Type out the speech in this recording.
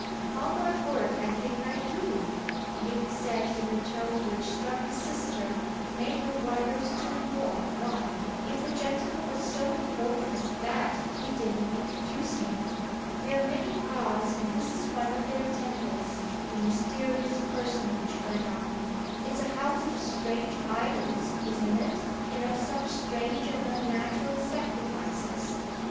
"Upon my word I think I do!" Nick said in a tone which struck his sister and made her wonder still more why, if the gentleman was so important as that, he didn't introduce him. "There are many gods and this is one of their temples," the mysterious personage went on. "It's a house of strange idols isn't it? and of some strange and unnatural sacrifices."